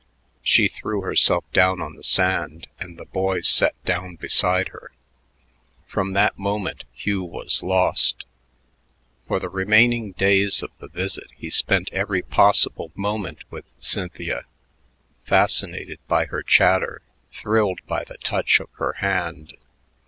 She threw herself down on the sand, and the boys sat down beside her. From that moment Hugh was lost. For the remaining days of the visit he spent every possible moment with Cynthia, fascinated by her chatter, thrilled by the touch of her hand.